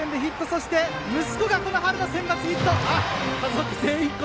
そして息子が春センバツでヒット！